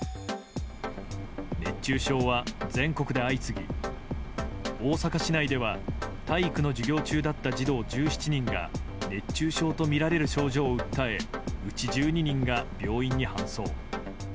熱中症は全国で相次ぎ大阪市内では体育の授業中だった児童１７人が熱中症とみられる症状を訴えうち１２人が病院に搬送。